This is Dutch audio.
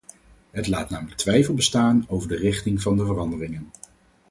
Het laat namelijk twijfel bestaan over de richting van de veranderingen.